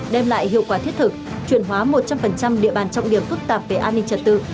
đem lại hiệu quả thiết thực chuyển hóa một trăm linh địa bàn trọng điểm phức tạp về an ninh trật tự